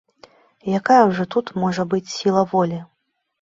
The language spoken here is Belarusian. Якая ўжо тут можа быць сіла волі.